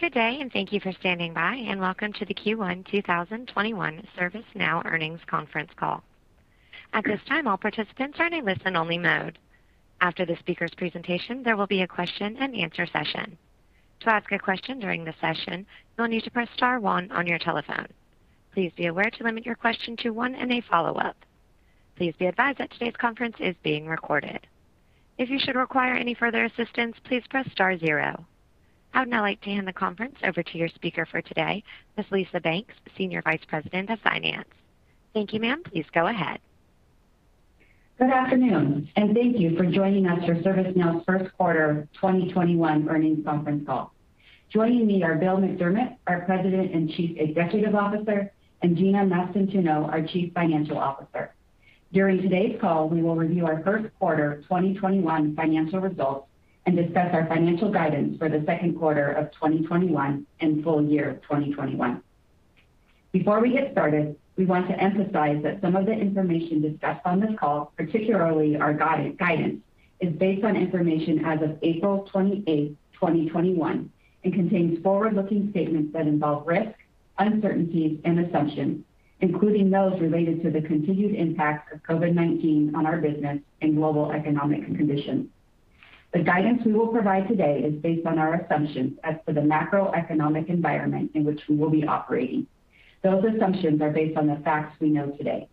Good day, and thank you for standing by, and welcome to the Q1 2021 ServiceNow earnings conference call. At this time, all participants are in a listen-only mode. After the speaker's presentation, there will be a question and answer session. To ask a question during the session, you'll need to press star one on your telephone. Please be aware to limit your question to one and a follow-up. Please be advised that today's conference is being recorded. If you should require any further assistance, please press star zero. I would now like to hand the conference over to your speaker for today, Ms. Lisa Banks, Senior Vice President of Finance. Thank you, ma'am. Please go ahead. Good afternoon, and thank you for joining us for ServiceNow's first quarter 2021 earnings conference call. Joining me are Bill McDermott, our President and Chief Executive Officer, and Gina Mastantuono, our Chief Financial Officer. During today's call, we will review our first quarter 2021 financial results and discuss our financial guidance for the second quarter of 2021 and full year 2021. Before we get started, we want to emphasize that some of the information discussed on this call, particularly our guidance, is based on information as of April 28, 2021, and contains forward-looking statements that involve risks, uncertainties, and assumptions, including those related to the continued impact of COVID-19 on our business and global economic conditions. The guidance we will provide today is based on our assumptions as to the macroeconomic environment in which we will be operating. Those assumptions are based on the facts we know today.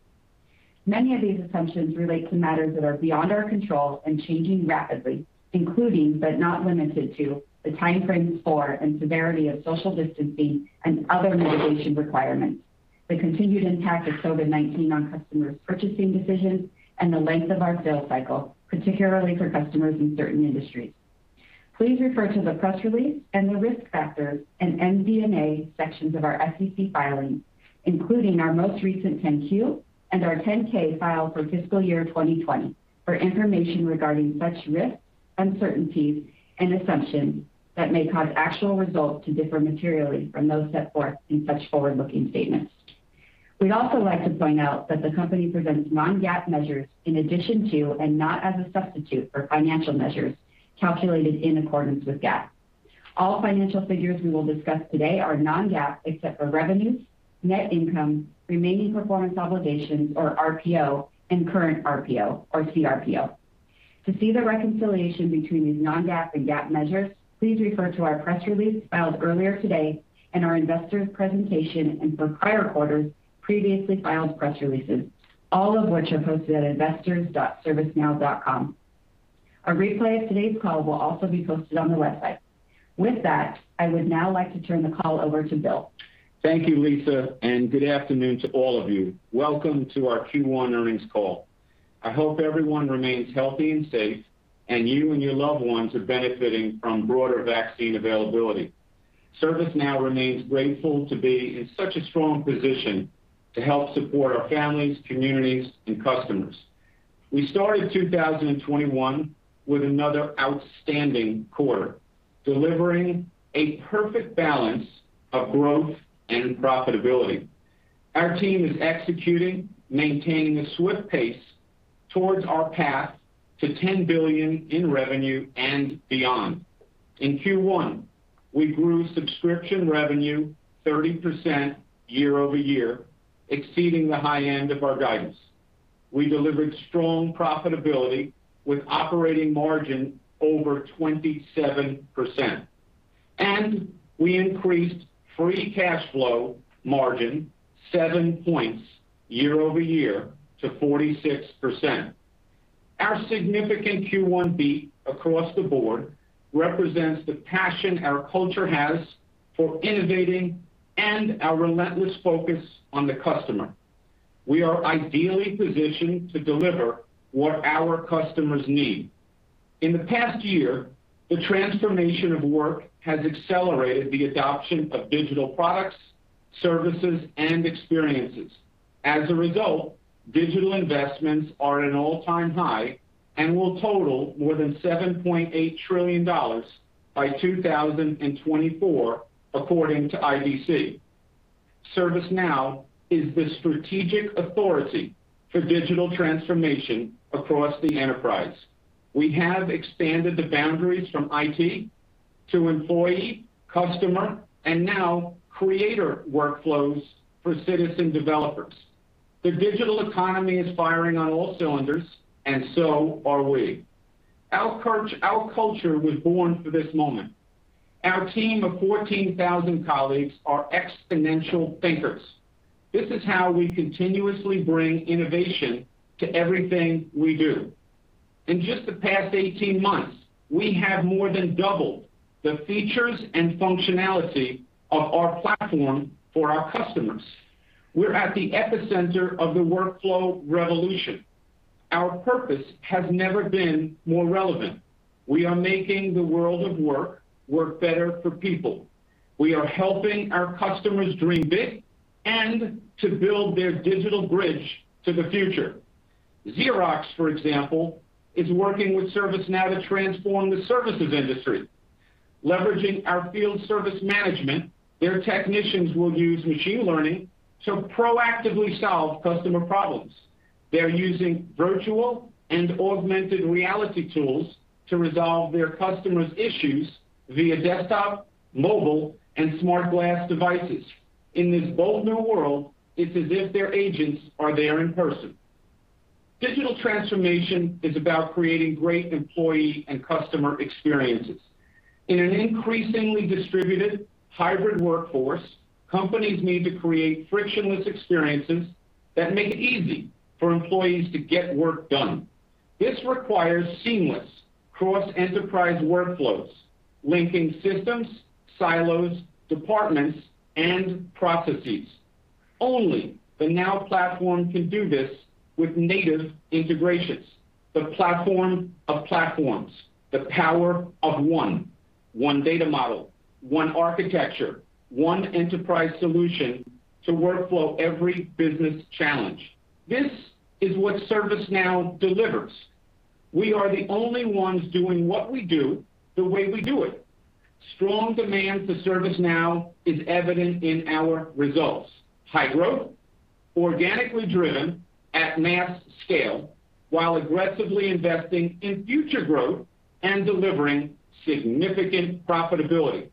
Many of these assumptions relate to matters that are beyond our control and changing rapidly, including, but not limited to, the timeframes for and severity of social distancing and other mitigation requirements, the continued impact of COVID-19 on customers' purchasing decisions, and the length of our sales cycle, particularly for customers in certain industries. Please refer to the press release and the Risk Factors and MD&A sections of our SEC filings, including our most recent 10-Q and our 10-K filed for fiscal year 2020, for information regarding such risks, uncertainties, and assumptions that may cause actual results to differ materially from those set forth in such forward-looking statements. We'd also like to point out that the company presents non-GAAP measures in addition to, and not as a substitute for, financial measures calculated in accordance with GAAP. All financial figures we will discuss today are non-GAAP except for revenues, net income, remaining performance obligations, or RPO, and current RPO or CRPO. To see the reconciliation between these non-GAAP and GAAP measures, please refer to our press release filed earlier today and our investors presentation and for prior quarters, previously filed press releases, all of which are posted at investors.servicenow.com. A replay of today's call will also be posted on the website. With that, I would now like to turn the call over to Bill. Thank you, Lisa. Good afternoon to all of you. Welcome to our Q1 earnings call. I hope everyone remains healthy and safe and you and your loved ones are benefiting from broader vaccine availability. ServiceNow remains grateful to be in such a strong position to help support our families, communities, and customers. We started 2021 with another outstanding quarter, delivering a perfect balance of growth and profitability. Our team is executing, maintaining a swift pace towards our path to $10 billion in revenue and beyond. In Q1, we grew subscription revenue 30% year-over-year, exceeding the high end of our guidance. We delivered strong profitability with operating margin over 27%, and we increased free cash flow margin seven points year-over-year to 46%. Our significant Q1 beat across the board represents the passion our culture has for innovating and our relentless focus on the customer. We are ideally positioned to deliver what our customers need. In the past year, the transformation of work has accelerated the adoption of digital products, services, and experiences. As a result, digital investments are at an all-time high and will total more than $7.8 trillion by 2024, according to IDC. ServiceNow is the strategic authority for digital transformation across the enterprise. We have expanded the boundaries from IT to employee, customer, and now creator workflows for citizen developers. The digital economy is firing on all cylinders, and so are we. Our culture was born for this moment. Our team of 14,000 colleagues are exponential thinkers. This is how we continuously bring innovation to everything we do. In just the past 18 months, we have more than doubled the features and functionality of our Now Platform for our customers. We're at the epicenter of the workflow revolution. Our purpose has never been more relevant. We are making the world of work better for people. We are helping our customers dream big and to build their digital bridge to the future. Xerox, for example, is working with ServiceNow to transform the services industry. Leveraging our field service management, their technicians will use machine learning to proactively solve customer problems. They're using virtual and augmented reality tools to resolve their customers' issues via desktop, mobile, and smart glass devices. In this bold new world, it's as if their agents are there in person. Digital transformation is about creating great employee and customer experiences. In an increasingly distributed hybrid workforce, companies need to create frictionless experiences that make it easy for employees to get work done. This requires seamless cross-enterprise workflows linking systems, silos, departments, and processes. Only the Now Platform can do this with native integrations. The platform of platforms. The power of one. One data model, one architecture, one enterprise solution to workflow every business challenge. This is what ServiceNow delivers. We are the only ones doing what we do the way we do it. Strong demand for ServiceNow is evident in our results. High growth, organically driven at mass scale, while aggressively investing in future growth and delivering significant profitability.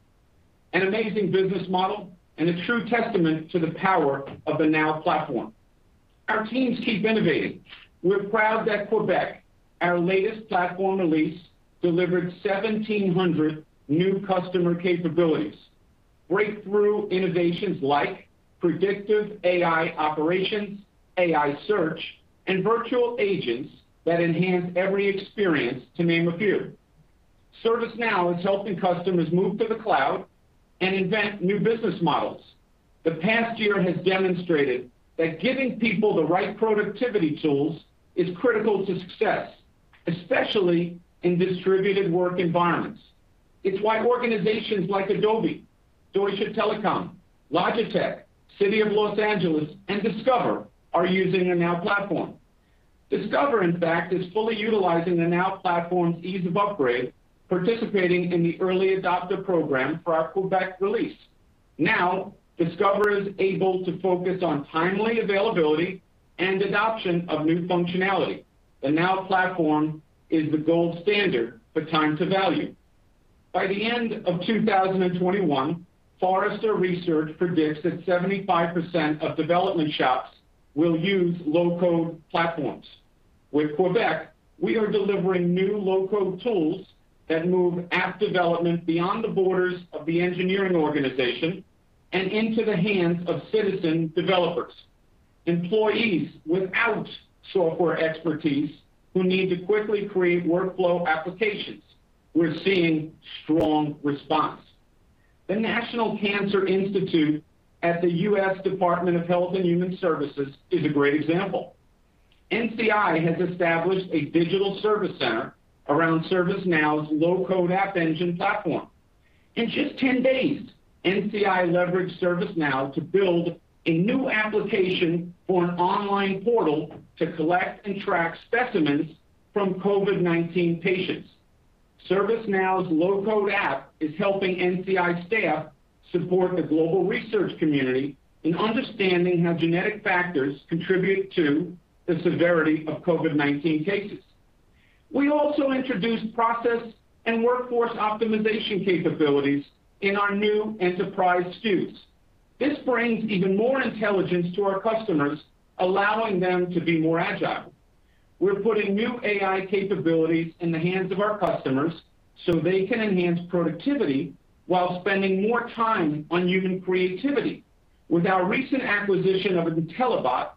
An amazing business model and a true testament to the power of the Now Platform. Our teams keep innovating. We're proud that Quebec, our latest platform release, delivered 1,700 new customer capabilities, breakthrough innovations like predictive AI operations, AI search, and Virtual Agents that enhance every experience, to name a few. ServiceNow is helping customers move to the cloud and invent new business models. The past year has demonstrated that giving people the right productivity tools is critical to success, especially in distributed work environments. It's why organizations like Adobe, Deutsche Telekom, Logitech, City of Los Angeles, and Discover are using the Now Platform. Discover, in fact, is fully utilizing the Now Platform's ease of upgrade, participating in the early adopter program for our Quebec release. Now, Discover is able to focus on timely availability and adoption of new functionality. The Now Platform is the gold standard for time to value. By the end of 2021, Forrester Research predicts that 75% of development shops will use low-code platforms. With Quebec, we are delivering new low-code tools that move app development beyond the borders of the engineering organization and into the hands of citizen developers, employees without software expertise who need to quickly create workflow applications. We're seeing strong response. The National Cancer Institute at the US Department of Health and Human Services is a great example. NCI has established a digital service center around ServiceNow's low-code App Engine platform. In just 10 days, NCI leveraged ServiceNow to build a new application for an online portal to collect and track specimens from COVID-19 patients. ServiceNow's low-code app is helping NCI staff support the global research community in understanding how genetic factors contribute to the severity of COVID-19 cases. We also introduced process and workforce optimization capabilities in our new enterprise suites. This brings even more intelligence to our customers, allowing them to be more agile. We're putting new AI capabilities in the hands of our customers so they can enhance productivity while spending more time on human creativity. With our recent acquisition of Intellibot,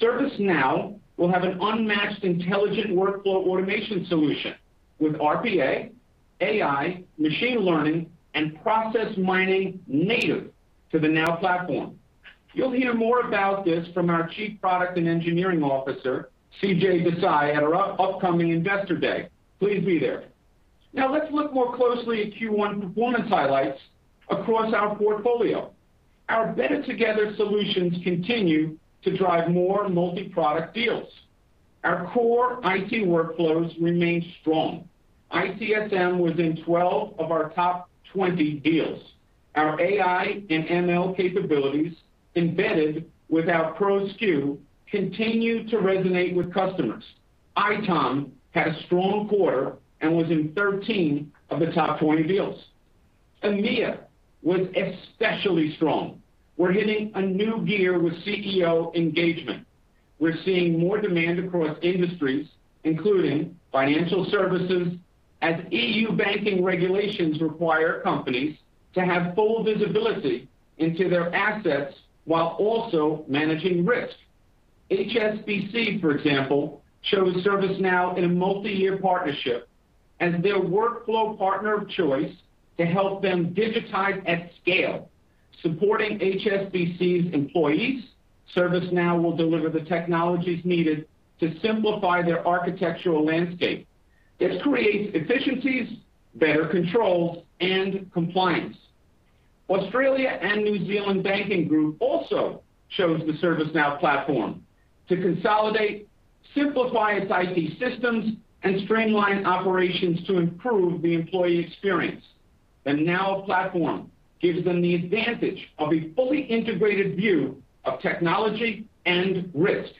ServiceNow will have an unmatched intelligent workflow automation solution with RPA, AI, machine learning, and process mining native to the Now Platform. You'll hear more about this from our Chief Product and Engineering Officer, CJ Desai, at our upcoming Investor Day. Please be there. Let's look more closely at Q1 performance highlights across our portfolio. Our Better Together solutions continue to drive more multi-product deals. Our core IT workflows remain strong. ITSM was in 12 of our top 20 deals. Our AI and ML capabilities embedded with our Pro SKU continue to resonate with customers. ITOM had a strong quarter and was in 13 of the top 20 deals. EMEA was especially strong. We're hitting a new gear with CEO engagement. We're seeing more demand across industries, including financial services, as EU banking regulations require companies to have full visibility into their assets while also managing risk. HSBC, for example, chose ServiceNow in a multi-year partnership as their workflow partner of choice to help them digitize at scale, supporting HSBC's employees. ServiceNow will deliver the technologies needed to simplify their architectural landscape. This creates efficiencies, better controls, and compliance. Australia and New Zealand Banking Group also chose the ServiceNow platform to consolidate, simplify its IT systems, and streamline operations to improve the employee experience. The Now Platform gives them the advantage of a fully integrated view of technology and risk.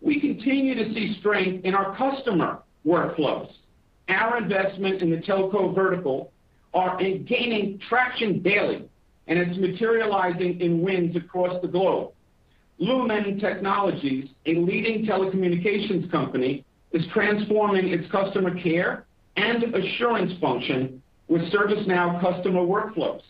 We continue to see strength in our customer workflows. Our investment in the telco vertical are gaining traction daily, and it's materializing in wins across the globe. Lumen Technologies, a leading telecommunications company, is transforming its customer care and assurance function with ServiceNow customer workflows.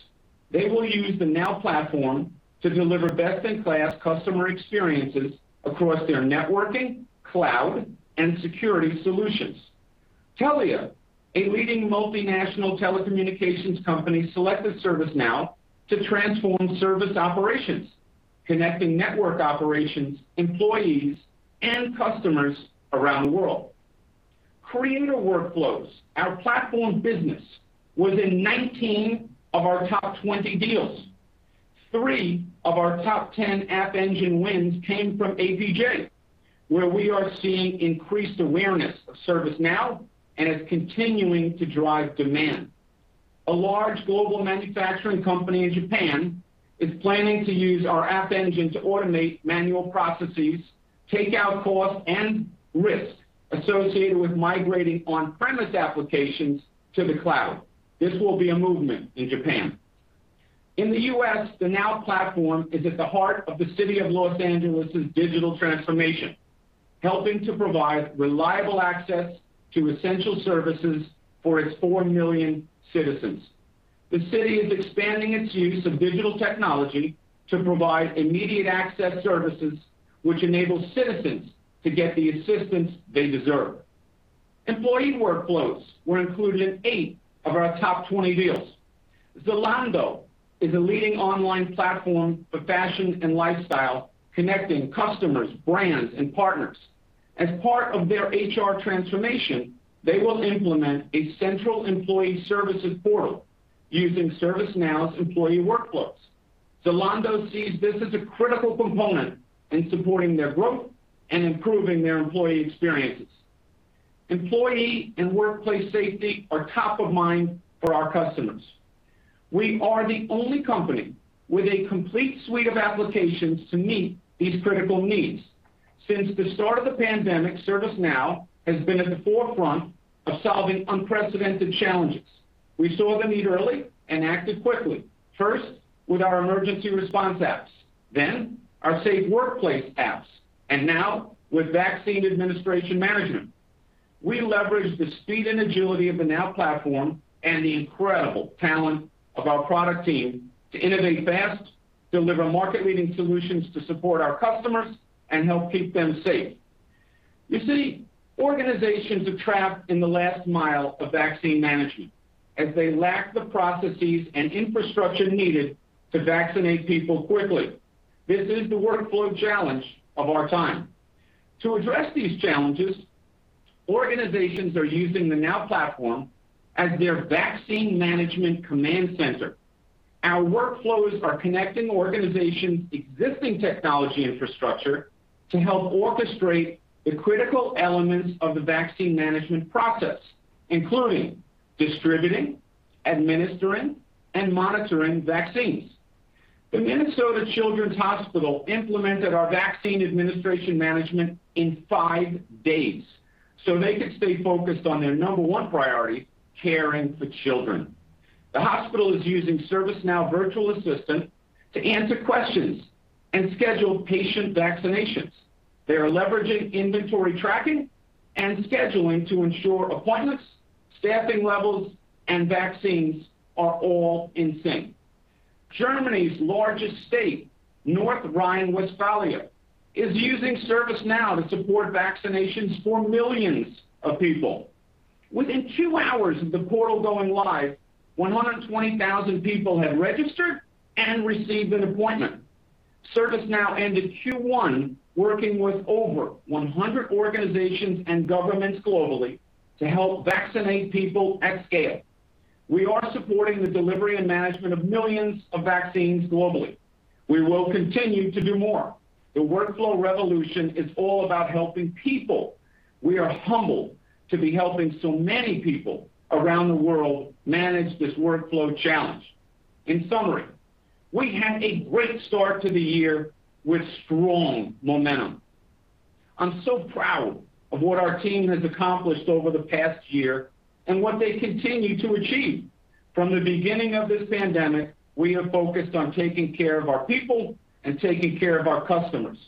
They will use the Now Platform to deliver best-in-class customer experiences across their networking, cloud, and security solutions. Telia, a leading multinational telecommunications company, selected ServiceNow to transform service operations, connecting network operations, employees, and customers around the world. Creator Workflows, our platform business, was in 19 of our top 20 deals. 3 of our top 10 App Engine wins came from APJ, where we are seeing increased awareness of ServiceNow and is continuing to drive demand. A large global manufacturing company in Japan is planning to use our App Engine to automate manual processes, take out costs, and risks associated with migrating on-premise applications to the cloud. This will be a movement in Japan. In the U.S., the Now Platform is at the heart of the City of Los Angeles's digital transformation, helping to provide reliable access to essential services for its 4 million citizens. The city is expanding its use of digital technology to provide immediate access services, which enables citizens to get the assistance they deserve. Employee workflows were included in eight of our top 20 deals. Zalando is a leading online platform for fashion and lifestyle, connecting customers, brands, and partners. As part of their HR transformation, they will implement a central employee services portal using ServiceNow's employee workflows. Zalando sees this as a critical component in supporting their growth and improving their employee experiences. Employee and workplace safety are top of mind for our customers. We are the only company with a complete suite of applications to meet these critical needs. Since the start of the pandemic, ServiceNow has been at the forefront of solving unprecedented challenges. We saw the need early and acted quickly. First, with our emergency response apps, then our safe workplace apps, and now with vaccine administration management. We leverage the speed and agility of the Now Platform and the incredible talent of our product team to innovate fast, deliver market-leading solutions to support our customers, and help keep them safe. You see, organizations are trapped in the last mile of vaccine management as they lack the processes and infrastructure needed to vaccinate people quickly. This is the workflow challenge of our time. To address these challenges, organizations are using the Now Platform as their vaccine management command center. Our workflows are connecting organizations' existing technology infrastructure to help orchestrate the critical elements of the vaccine management process, including distributing, administering, and monitoring vaccines. Children's Minnesota implemented our vaccine administration management in five days so they could stay focused on their number one priority, caring for children. The hospital is using ServiceNow Virtual Agent to answer questions and schedule patient vaccinations. They are leveraging inventory tracking and scheduling to ensure appointments, staffing levels, and vaccines are all in sync. Germany's largest state, North Rhine-Westphalia, is using ServiceNow to support vaccinations for millions of people. Within two hours of the portal going live, 120,000 people had registered and received an appointment. ServiceNow ended Q1 working with over 100 organizations and governments globally to help vaccinate people at scale. We are supporting the delivery and management of millions of vaccines globally. We will continue to do more. The workflow revolution is all about helping people. We are humbled to be helping so many people around the world manage this workflow challenge. In summary, we had a great start to the year with strong momentum. I'm so proud of what our team has accomplished over the past year and what they continue to achieve. From the beginning of this pandemic, we have focused on taking care of our people and taking care of our customers.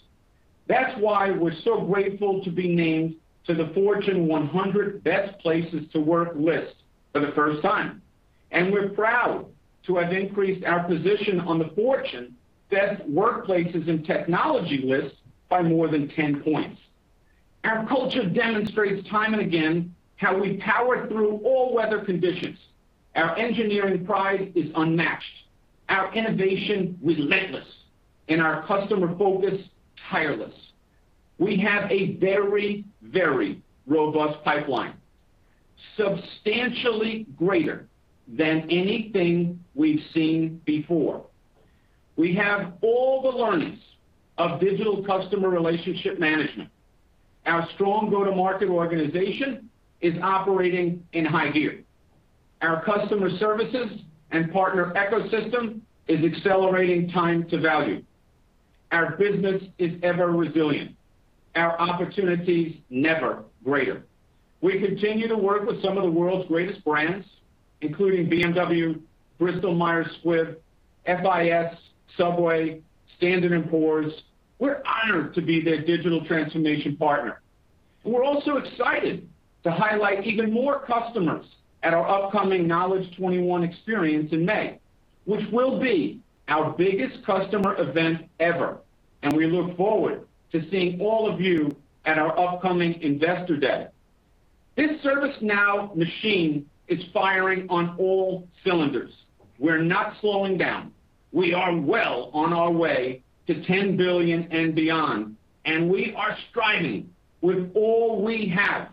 That's why we're so grateful to be named to the Fortune 100 Best Companies to Work For list for the first time, and we're proud to have increased our position on the Fortune Best Workplaces in Technology list by more than 10 points. Our culture demonstrates time and again how we power through all weather conditions. Our engineering pride is unmatched, our innovation relentless, and our customer focus tireless. We have a very, very robust pipeline, substantially greater than anything we've seen before. We have all the learnings of digital customer relationship management. Our strong go-to-market organization is operating in high gear. Our customer services and partner ecosystem is accelerating time to value. Our business is ever resilient, our opportunities never greater. We continue to work with some of the world's greatest brands, including BMW, Bristol Myers Squibb, FIS, Subway, Standard & Poor's. We're honored to be their digital transformation partner. We're also excited to highlight even more customers at our upcoming Knowledge21 experience in May, which will be our biggest customer event ever, and we look forward to seeing all of you at our upcoming Investor Day. This ServiceNow machine is firing on all cylinders. We're not slowing down. We are well on our way to $10 billion and beyond, and we are striving with all we have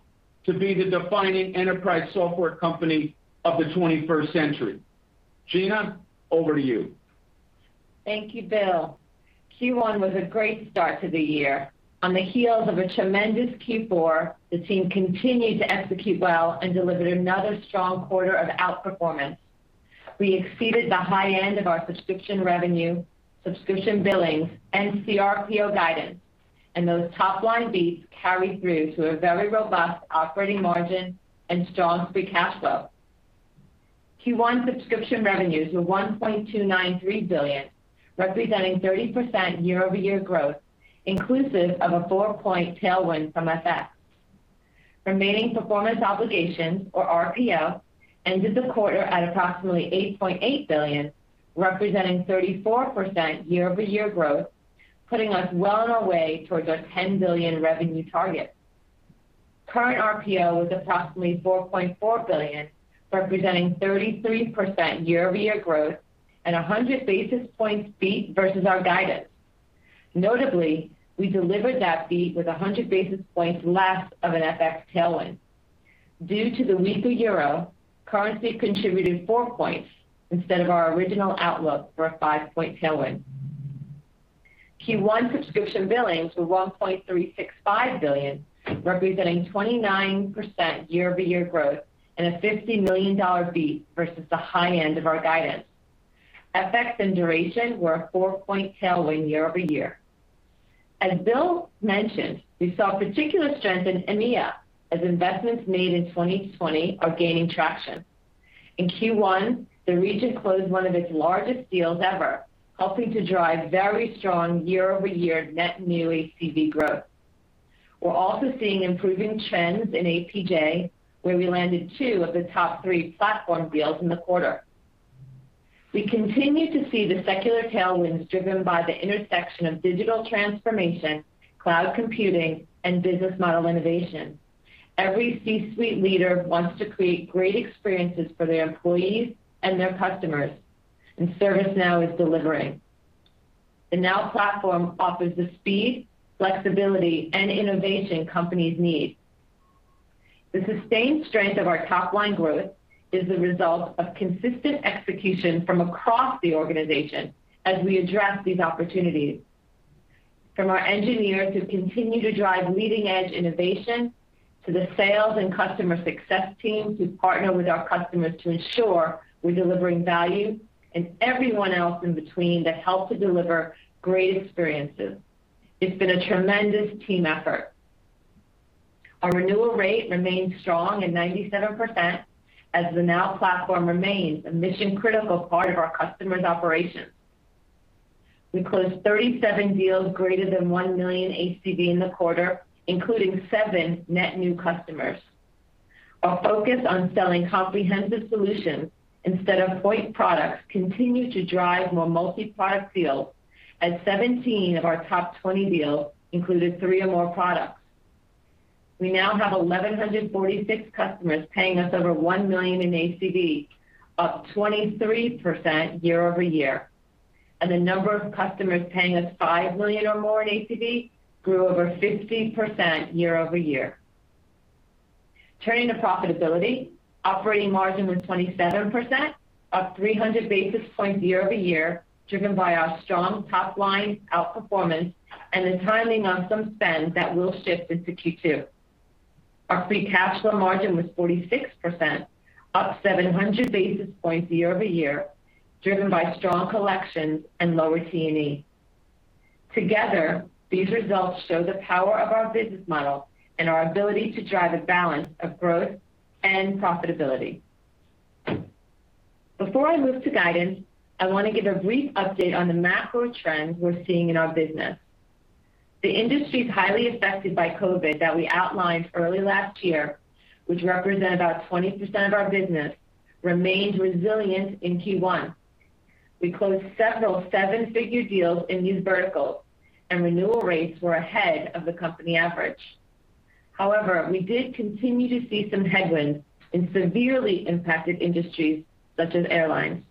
to be the defining enterprise software company of the 21st century. Gina, over to you. Thank you, Bill. Q1 was a great start to the year. On the heels of a tremendous Q4, the team continued to execute well and delivered another strong quarter of outperformance. We exceeded the high end of our subscription revenue, subscription billing, and CRPO guidance, and those top-line beats carried through to a very robust operating margin and strong free cash flow. Q1 subscription revenues were $1.293 billion, representing 30% year-over-year growth, inclusive of a four-point tailwind from FX. Remaining performance obligations, or RPO, ended the quarter at approximately $8.8 billion, representing 34% year-over-year growth, putting us well on our way towards our $10 billion revenue target. Current RPO was approximately $4.4 billion, representing 33% year-over-year growth and 100 basis points beat versus our guidance. Notably, we delivered that beat with 100 basis points less of an FX tailwind. Due to the weaker euro, currency contributed four points instead of our original outlook for a five-point tailwind. Q1 subscription billings were $1.365 billion, representing 29% year-over-year growth and a $50 million beat versus the high end of our guidance. FX and duration were a four-point tailwind year-over-year. As Bill mentioned, we saw particular strength in EMEA, as investments made in 2020 are gaining traction. In Q1, the region closed one of its largest deals ever, helping to drive very strong year-over-year net new ACV growth. We are also seeing improving trends in APJ, where we landed two of the top three platform deals in the quarter. We continue to see the secular tailwinds driven by the intersection of digital transformation, cloud computing, and business model innovation. Every C-suite leader wants to create great experiences for their employees and their customers, ServiceNow is delivering. The Now Platform offers the speed, flexibility, and innovation companies need. The sustained strength of our top-line growth is the result of consistent execution from across the organization as we address these opportunities. From our engineers, who continue to drive leading-edge innovation, to the sales and customer success team, who partner with our customers to ensure we're delivering value, and everyone else in between that help to deliver great experiences. It's been a tremendous team effort. Our renewal rate remains strong at 97%, as the Now Platform remains a mission-critical part of our customers' operations. We closed 37 deals greater than $1 million ACV in the quarter, including seven net new customers. Our focus on selling comprehensive solutions instead of point products continued to drive more multi-product deals, as 17 of our top 20 deals included three or more products. We now have 1,146 customers paying us over $1 million in ACV, up 23% year-over-year, and the number of customers paying us $5 million or more in ACV grew over 50% year-over-year. Turning to profitability, operating margin was 27%, up 300 basis points year-over-year, driven by our strong top-line outperformance and the timing on some spend that we'll shift into Q2. Our free cash flow margin was 46%, up 700 basis points year-over-year, driven by strong collections and lower T&E. Together, these results show the power of our business model and our ability to drive a balance of growth and profitability. Before I move to guidance, I want to give a brief update on the macro trends we're seeing in our business. The industries highly affected by COVID-19 that we outlined early last year, which represent about 20% of our business, remained resilient in Q1. We closed several seven-figure deals in these verticals, and renewal rates were ahead of the company average. We did continue to see some headwinds in severely impacted industries such as airlines.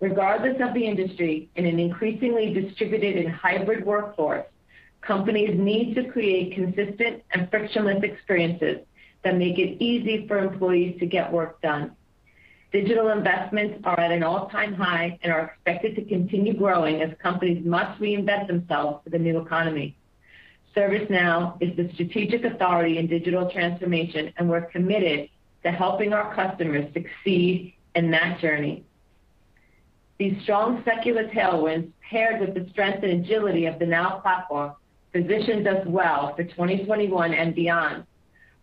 Regardless of the industry, in an increasingly distributed and hybrid workforce, companies need to create consistent and frictionless experiences that make it easy for employees to get work done. Digital investments are at an all-time high and are expected to continue growing as companies must reinvent themselves for the new economy. ServiceNow is the strategic authority in digital transformation, and we're committed to helping our customers succeed in that journey. These strong secular tailwinds, paired with the strength and agility of the Now Platform, positions us well for 2021 and beyond.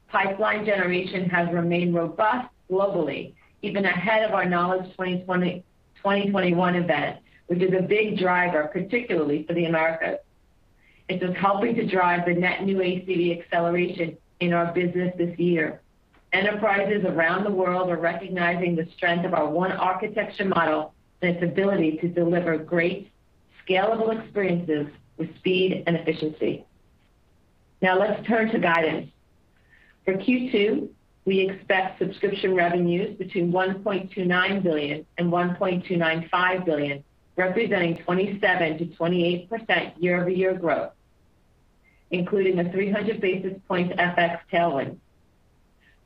Pipeline generation has remained robust globally, even ahead of our Knowledge 2021 event, which is a big driver, particularly for the Americas. It is helping to drive the net new ACV acceleration in our business this year. Enterprises around the world are recognizing the strength of our One Architecture model and its ability to deliver great, scalable experiences with speed and efficiency. Let's turn to guidance. For Q2, we expect subscription revenues between $1.29 billion and $1.295 billion, representing 27%-28% year-over-year growth, including a 300-basis point FX tailwind.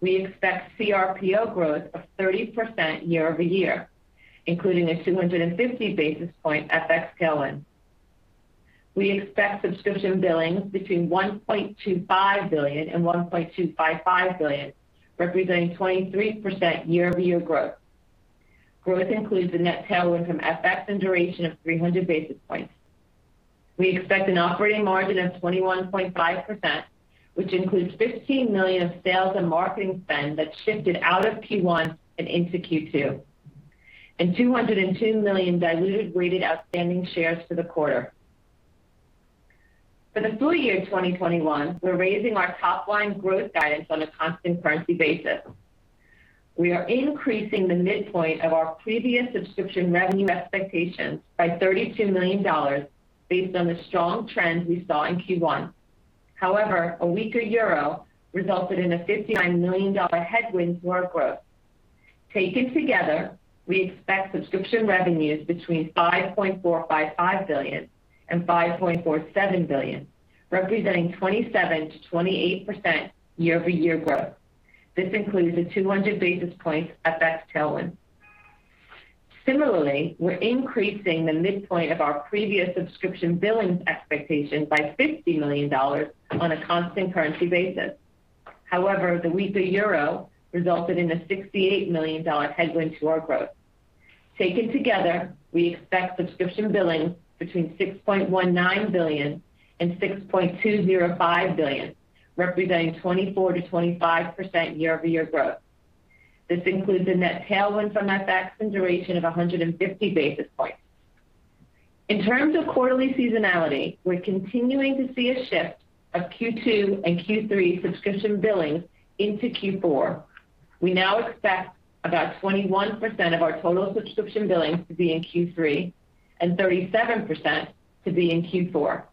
We expect CRPO growth of 30% year-over-year, including a 250-basis point FX tailwind. We expect subscription billings between $1.25 billion and $1.255 billion, representing 23% year-over-year growth. Growth includes a net tailwind from FX and duration of 300 basis points. We expect an operating margin of 21.5%, which includes $15 million of sales and marketing spend that shifted out of Q1 and into Q2, and 202 million diluted weighted outstanding shares for the quarter. For the full year 2021, we're raising our top-line growth guidance on a constant currency basis. We are increasing the midpoint of our previous subscription revenue expectations by $32 million based on the strong trends we saw in Q1. However, a weaker euro resulted in a $59 million headwind to our growth. Taken together, we expect subscription revenues between $5.455 billion and $4.47 billion, representing 27%-28% year-over-year growth. This includes a 200-basis point FX tailwind. Similarly, we're increasing the midpoint of our previous subscription billings expectation by $50 million on a constant currency basis. However, the weaker euro resulted in a $68 million headwind to our growth. Taken together, we expect subscription billing between $6.19 billion and $6.205 billion, representing 24%-25% year-over-year growth. This includes a net tailwind from FX and duration of 150 basis points. In terms of quarterly seasonality, we're continuing to see a shift of Q2 and Q3 subscription billing into Q4. We now expect about 21% of our total subscription billings to be in Q3 and 37% to be in Q4.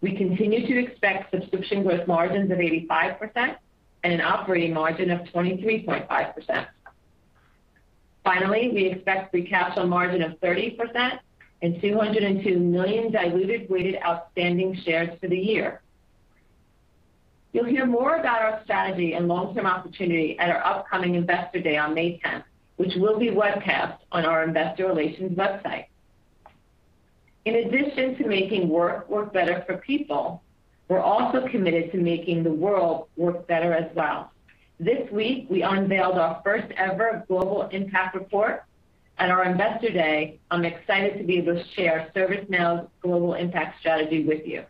We continue to expect subscription growth margins of 85% and an operating margin of 23.5%. Finally, we expect free cash flow margin of 30% and 202 million diluted weighted outstanding shares for the year. You'll hear more about our strategy and long-term opportunity at our upcoming Investor Day on May 10th, which will be webcast on our investor relations website. In addition to making work work better for people, we're also committed to making the world work better as well. This week, we unveiled our first-ever Global Impact Report. At our Investor Day, I'm excited to be able to share ServiceNow's global impact strategy with you.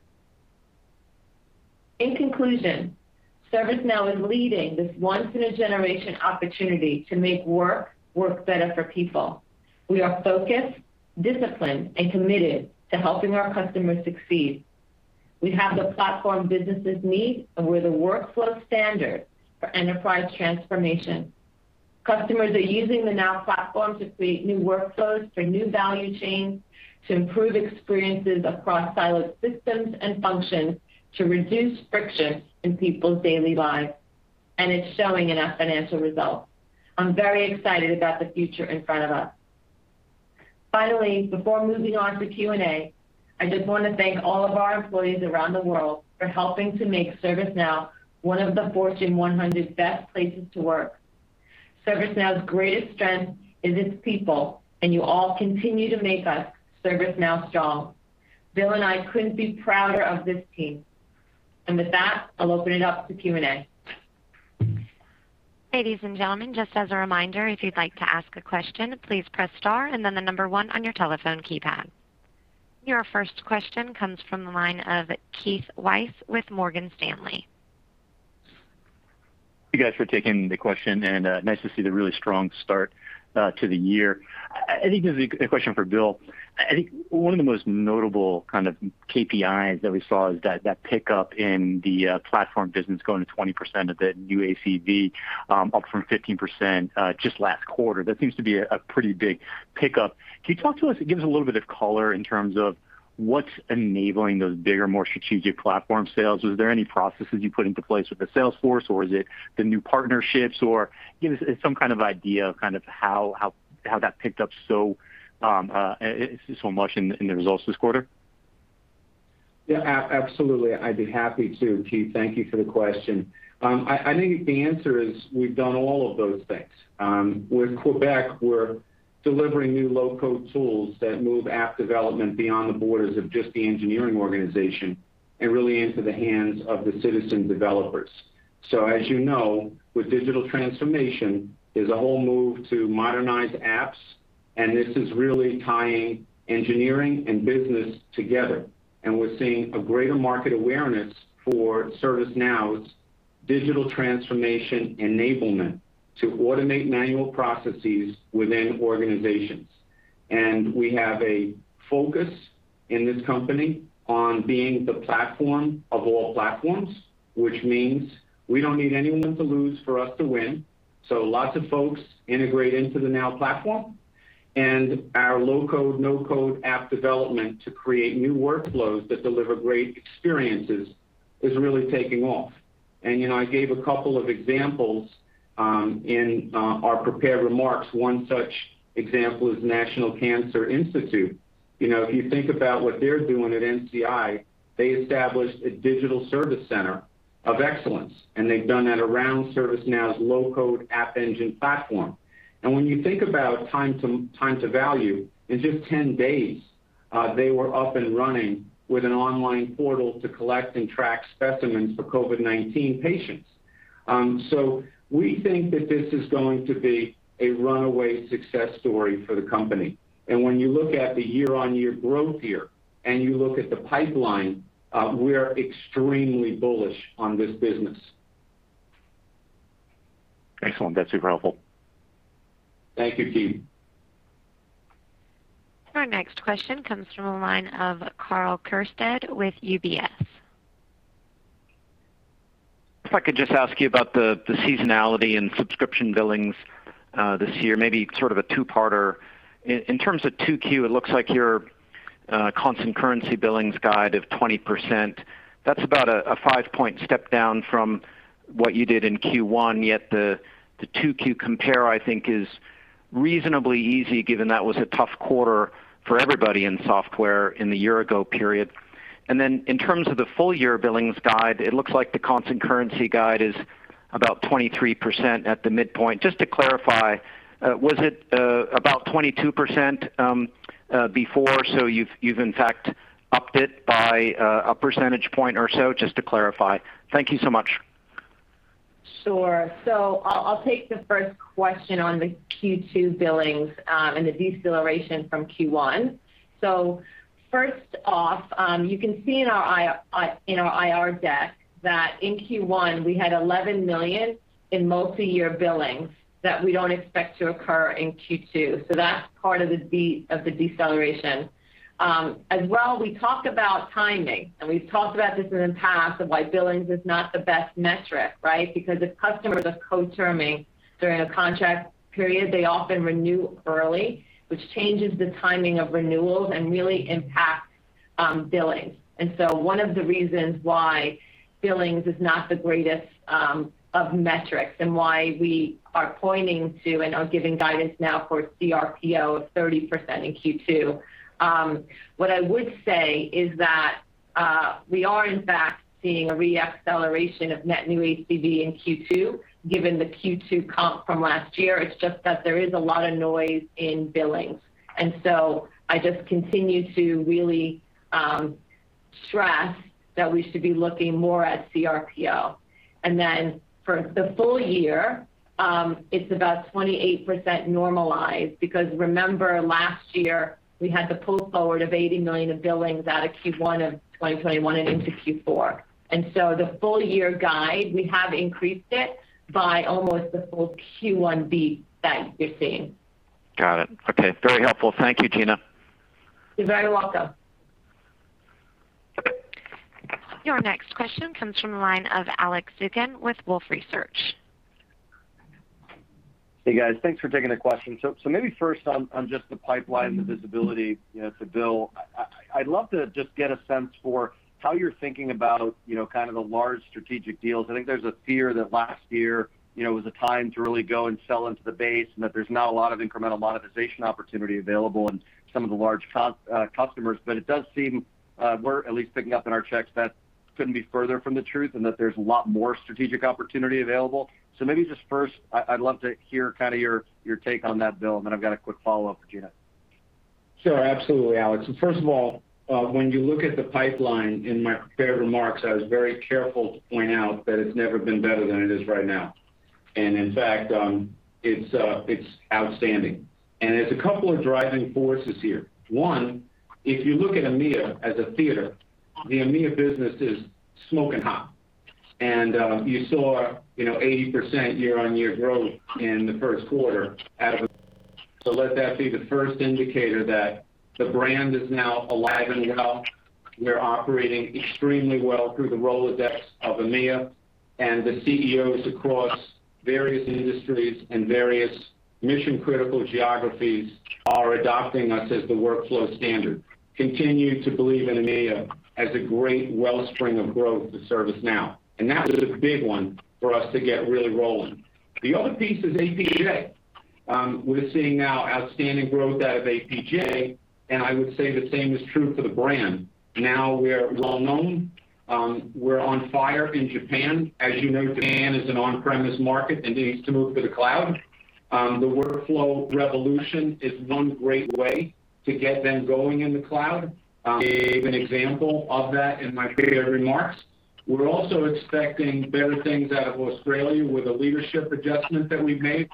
In conclusion, ServiceNow is leading this once-in-a-generation opportunity to make work work better for people. We are focused, disciplined, and committed to helping our customers succeed. We have the platform businesses need, and we're the workflow standard for enterprise transformation. Customers are using the Now Platform to create new workflows for new value chains to improve experiences across siloed systems and functions to reduce friction in people's daily lives, and it's showing in our financial results. I'm very excited about the future in front of us. Finally, before moving on to Q&A, I just want to thank all of our employees around the world for helping to make ServiceNow one of the Fortune 100 Best Companies to Work For. ServiceNow's greatest strength is its people. You all continue to make us, ServiceNow, strong. Bill and I couldn't be prouder of this team. With that, I'll open it up to Q&A. Your first question comes from the line of Keith Weiss with Morgan Stanley. Thank you, guys, for taking the question, and nice to see the really strong start to the year. I think this is a question for Bill. I think one of the most notable kind of KPIs that we saw is that pickup in the platform business going to 20% of the new ACV, up from 15% just last quarter. That seems to be a pretty big pickup. Can you talk to us and give us a little bit of color in terms of what's enabling those bigger, more strategic platform sales? Was there any processes you put into place with the sales force, or is it the new partnerships? Give us some kind of idea of kind of how that picked up so much in the results this quarter. Yeah, absolutely. I'd be happy to, Keith. Thank you for the question. I think the answer is, we've done all of those things. With Quebec, we're delivering new low-code tools that move app development beyond the borders of just the engineering organization and really into the hands of the citizen developers. As you know, with digital transformation, there's a whole move to modernize apps, and this is really tying engineering and business together. We're seeing a greater market awareness for ServiceNow's digital transformation enablement to automate manual processes within organizations. We have a focus in this company on being the platform of all platforms, which means we don't need anyone to lose for us to win. Lots of folks integrate into the Now Platform. Our low-code, no-code app development to create new workflows that deliver great experiences is really taking off. I gave a couple of examples in our prepared remarks. One such example is National Cancer Institute. If you think about what they're doing at NCI, they established a digital service center of excellence, and they've done that around ServiceNow's low-code App Engine platform. When you think about time to value, in just 10 days, they were up and running with an online portal to collect and track specimens for COVID-19 patients. We think that this is going to be a runaway success story for the company. When you look at the year-on-year growth here, and you look at the pipeline, we're extremely bullish on this business. Excellent. That's super helpful. Thank you, Keith. Our next question comes from the line of Karl Keirstead with UBS. If I could just ask you about the seasonality and subscription billings this year, maybe sort of a two-parter. In terms of 2Q, it looks like your constant currency billings guide of 20%, that's about a five-point step down from what you did in Q1. Yet the 2Q compare, I think is reasonably easy given that was a tough quarter for everybody in software in the year ago period. Then in terms of the full year billings guide, it looks like the constant currency guide is about 23% at the midpoint. Just to clarify, was it about 22% before, so you've in fact upped it by a one percentage point or so, just to clarify? Thank you so much. Sure. I'll take the first question on the Q2 billings, and the deceleration from Q1. First off, you can see in our IR deck that in Q1 we had $11 million in multi-year billings that we don't expect to occur in Q2. As well, we talked about timing, and we've talked about this in the past, of why billings is not the best metric, right? If customers are co-terming during a contract period, they often renew early, which changes the timing of renewals and really impacts billings. One of the reasons why billings is not the greatest of metrics and why we are pointing to and are giving guidance now for CRPO of 30% in Q2. What I would say is that, we are in fact seeing a re-acceleration of net new ACV in Q2, given the Q2 comp from last year. It's just that there is a lot of noise in billings. I just continue to really stress that we should be looking more at CRPO. Then for the full year, it's about 28% normalized because remember last year we had the pull forward of $80 million of billings out of Q1 of 2021 and into Q4. So the full year guide, we have increased it by almost the full Q1 beat that you're seeing. Got it. Okay. Very helpful. Thank you, Gina. You're very welcome. Your next question comes from the line of Alex Zukin with Wolfe Research. Hey, guys. Thanks for taking the question. Maybe first on just the pipeline, the visibility to Bill. I'd love to just get a sense for how you're thinking about the large strategic deals. I think there's a fear that last year was a time to really go and sell into the base, and that there's not a lot of incremental monetization opportunity available in some of the large customers. It does seem we're at least picking up in our checks that couldn't be further from the truth, and that there's a lot more strategic opportunity available. Maybe just first, I'd love to hear your take on that, Bill, and then I've got a quick follow-up for Gina. Sure, absolutely, Alex. First of all, when you look at the pipeline in my prepared remarks, I was very careful to point out that it's never been better than it is right now. In fact, it's outstanding. There's a couple of driving forces here. One, if you look at EMEA as a theater, the EMEA business is smoking hot. You saw 80% year-on-year growth in the first quarter out of it. Let that be the first indicator that the brand is now alive and well. We're operating extremely well through the Rolodex of EMEA, the CEOs across various industries and various mission-critical geographies are adopting us as the workflow standard. Continue to believe in EMEA as a great wellspring of growth to ServiceNow. That is a big one for us to get really rolling. The other piece is APJ, we're seeing now outstanding growth out of APJ, and I would say the same is true for the brand. Now we are well-known. We're on fire in Japan. As you know, Japan is an on-premise market and needs to move to the cloud. The workflow revolution is one great way to get them going in the cloud. I gave an example of that in my prepared remarks. We're also expecting better things out of Australia with the leadership adjustment that we've made.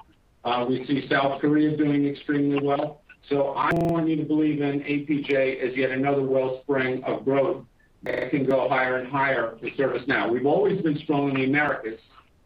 We see South Korea doing extremely well. I want you to believe in APJ as yet another wellspring of growth that can go higher and higher for ServiceNow. We've always been strong in the Americas.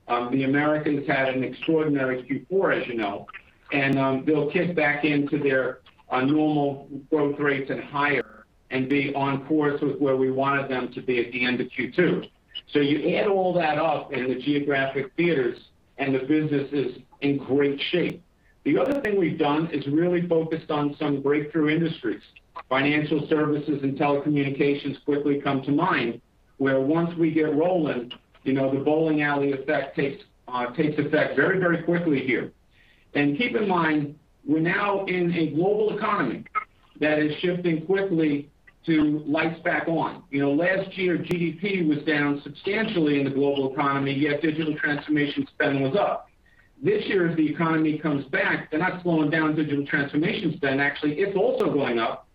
The Americans had an extraordinary Q4, as you know, they'll kick back into their normal growth rates and higher, and be on course with where we wanted them to be at the end of Q2. You add all that up in the geographic theaters, and the business is in great shape. The other thing we've done is really focused on some breakthrough industries. Financial services and telecommunications quickly come to mind, where once we get rolling, the bowling alley effect takes effect very quickly here. Keep in mind, we're now in a global economy that is shifting quickly to lights back on. Last year, GDP was down substantially in the global economy, yet digital transformation spend was up. This year, as the economy comes back, they're not slowing down digital transformation spend. Actually, it's also going up,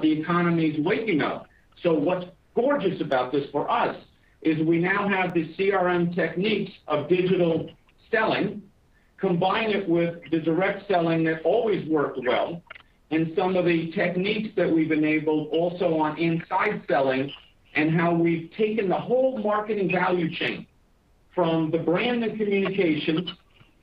the economy's waking up. What's gorgeous about this for us is we now have the CRM techniques of digital selling, combine it with the direct selling that always worked well, and some of the techniques that we've enabled also on inside selling, and how we've taken the whole marketing value chain. From the brand and communication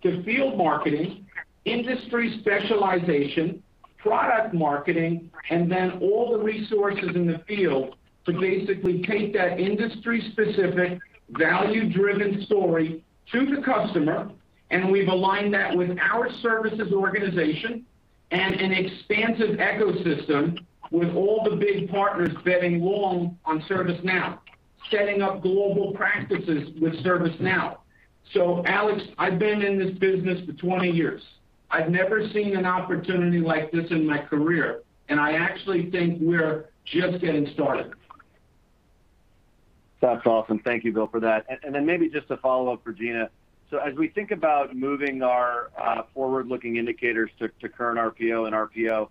to field marketing, industry specialization, product marketing, and then all the resources in the field to basically take that industry-specific, value-driven story to the customer, and we've aligned that with our services organization and an expansive ecosystem with all the big partners betting long on ServiceNow, setting up global practices with ServiceNow. Alex, I've been in this business for 20 years. I've never seen an opportunity like this in my career, and I actually think we're just getting started. That's awesome. Thank you, Bill, for that. Then maybe just a follow-up for Gina. As we think about moving our forward-looking indicators to current RPO and RPO,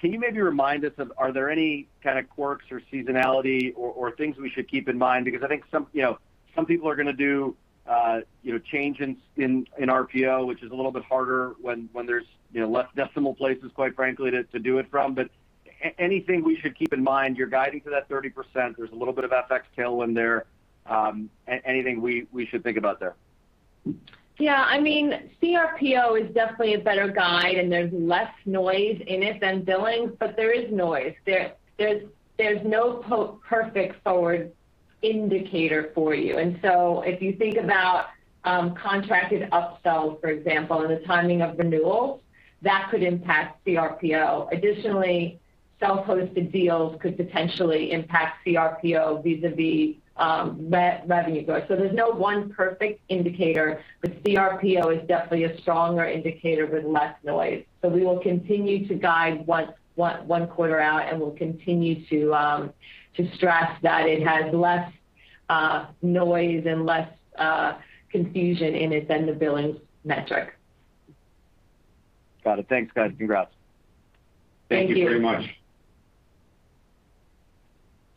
can you maybe remind us, are there any kind of quirks or seasonality or things we should keep in mind? Because I think some people are going to do change in RPO, which is a little bit harder when there's less decimal places, quite frankly, to do it from. Anything we should keep in mind, you're guiding to that 30%, there's a little bit of FX tailwind there. Anything we should think about there? CRPO is definitely a better guide and there's less noise in it than billings, but there is noise. There's no perfect forward indicator for you. If you think about contracted upsells, for example, and the timing of renewals, that could impact CRPO. Additionally, self-hosted deals could potentially impact CRPO vis-a-vis revenue growth. There's no one perfect indicator, but CRPO is definitely a stronger indicator with less noise. We will continue to guide one quarter out, and we'll continue to stress that it has less noise and less confusion in it than the billings metric. Got it. Thanks, guys. Congrats. Thank you. Thank you very much.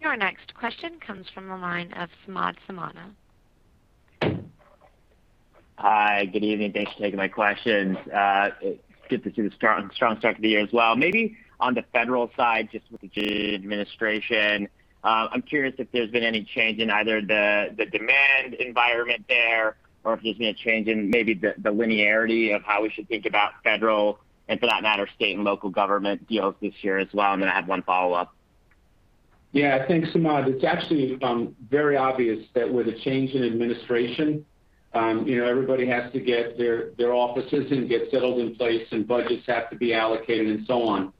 Your next question comes from the line of Samad Samana. Hi, good evening. Thanks for taking my questions. Good to see the strong start to the year as well. Maybe on the federal side, just with the new administration, I'm curious if there's been any change in either the demand environment there, or if there's been a change in maybe the linearity of how we should think about federal, and for that matter, state and local government deals this year as well. Then I have one follow-up. Thanks, Samad. It's actually very obvious that with a change in administration, everybody has to get their offices and get settled in place, and budgets have to be allocated and so on.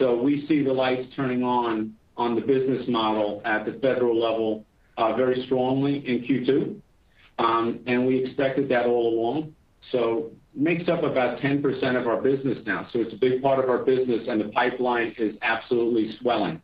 We see the lights turning on on the business model at the federal level very strongly in Q2, and we expected that all along. Makes up about 10% of our business now. It's a big part of our business, and the pipeline is absolutely swelling.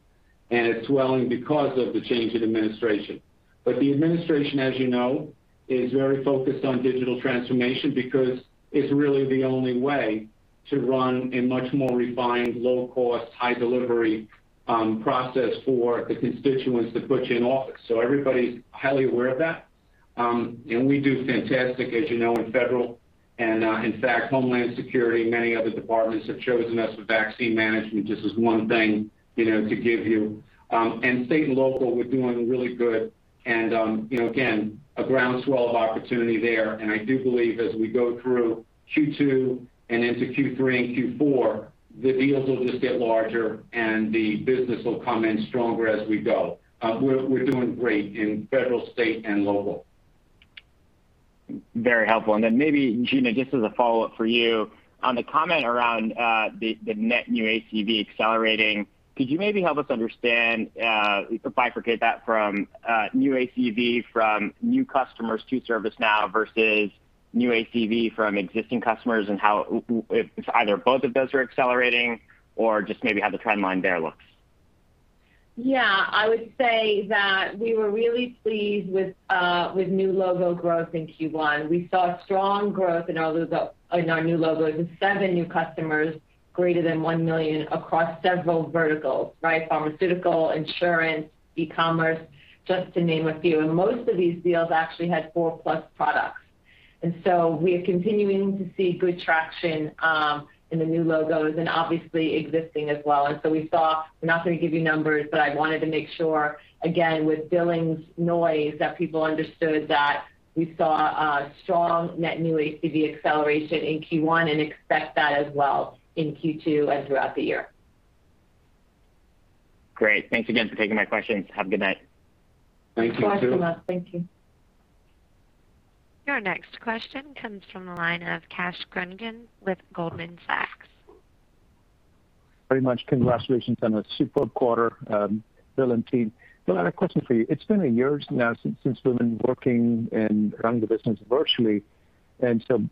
It's swelling because of the change in administration. The administration, as you know, is very focused on digital transformation because it's really the only way to run a much more refined, low cost, high delivery process for the constituents that put you in office. Everybody's highly aware of that. We do fantastic, as you know, in federal. In fact, Homeland Security and many other departments have chosen us for vaccine management, just as one thing to give you. State and local, we're doing really good, and again, a groundswell of opportunity there. I do believe as we go through Q2 and into Q3 and Q4, the deals will just get larger, and the business will come in stronger as we go. We're doing great in federal, state, and local. Very helpful. Maybe, Gina, just as a follow-up for you, on the comment around the net new ACV accelerating, could you maybe help us understand, bifurcate that from new ACV from new customers to ServiceNow versus new ACV from existing customers, and how if either both of those are accelerating? Just maybe how the trend line there looks. Yeah, I would say that we were really pleased with new logo growth in Q1. We saw strong growth in our new logos with seven new customers greater than 1 million across several verticals, pharmaceutical, insurance, e-commerce, just to name a few. Most of these deals actually had four-plus products. We are continuing to see good traction in the new logos and obviously existing as well. We saw, I'm not going to give you numbers, but I wanted to make sure, again, with billing's noise, that people understood that we saw a strong net new ACV acceleration in Q1 and expect that as well in Q2 and throughout the year. Great. Thanks again for taking my questions. Have a good night. Thank you. Thanks so much. Thank you. Your next question comes from the line of Kash Rangan with Goldman Sachs. Very much congratulations on a superb quarter, Bill and team. Bill, I have a question for you. It's been a year now since we've been working and running the business virtually. On